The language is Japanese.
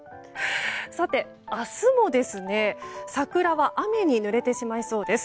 さて、明日も桜は雨にぬれてしまいそうです。